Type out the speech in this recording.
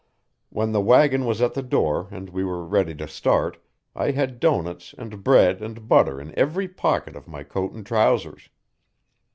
When the wagon was at the door and we were ready to start I had doughnuts and bread and butter in every pocket of my coat and trousers.